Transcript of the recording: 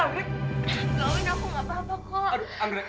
ini kamu apa penet olacak anggret